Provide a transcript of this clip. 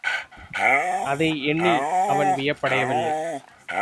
அதை எண்ணி அவன் யப்படையவில்லை.